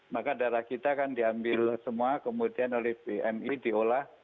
maka darah kita akan diambil semua kemudian oleh bmi diolah